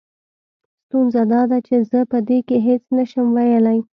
ستونزه دا ده چې زه په دې کې هېڅ نه شم ويلې.